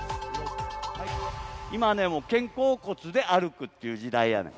今はね、もう肩甲骨で歩くっていう時代やねん。